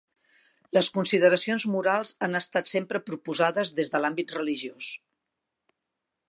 Les consideracions morals han estat sempre proposades des de l'àmbit religiós.